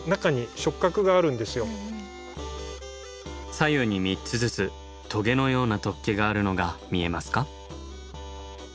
左右に３つずつとげのような突起があるのが見えますか？